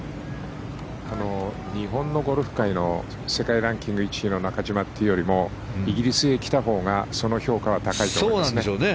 日本のゴルフ界の世界ランキング１位の中島というよりもイギリスへ来たほうがその評価は高いと思いますね。